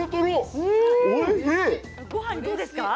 ごはんは、どうですか？